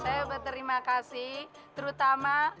saya berterima kasih terutama